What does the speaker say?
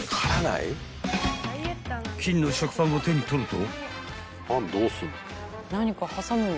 ［金の食パンを手に取ると］